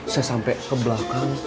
saya sampai ke belakang